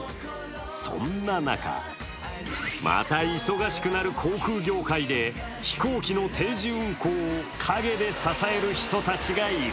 そんな中、また忙しくなる航空業界で飛行機の定時運航を陰で支える人たちがいる。